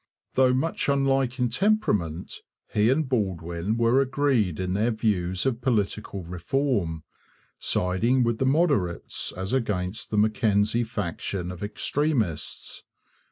Though much unlike in temperament, he and Baldwin were agreed in their views of political reform, siding with the Moderates as against the Mackenzie faction of extremists.